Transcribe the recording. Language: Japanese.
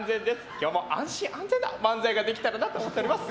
今日も安心安全な漫才ができたらなと思っております。